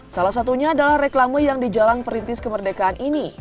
salah satunya adalah reklame yang di jalan perintis kemerdekaan ini